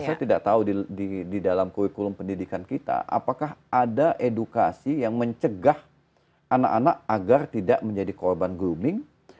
saya tidak tahu di dalam kurikulum pendidikan kita apakah ada edukasi yang mencegah anak anak agar tidak menjadi korban grooming